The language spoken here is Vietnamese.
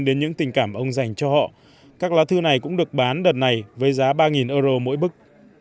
đến những tình cảm ông dành cho họ các lá thư này cũng được bán đợt này với giá ba euro mỗi bức